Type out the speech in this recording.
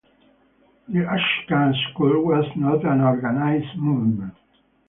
The Ashcan School was not an organized movement.